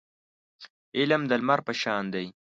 علم د لمر په شان دی.